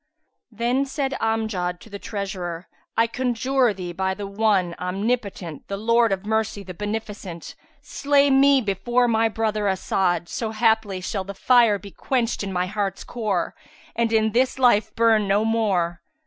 Then said Amjad to the treasurer, "I conjure thee by the One, Omnipotent, the Lord of Mercy, the Beneficent! slay me before my brother As'ad, so haply shall the fire be quencht in my heart's core and in this life burn no more."